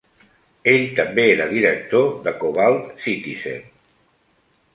Ell també era director de Cobalt Citizen.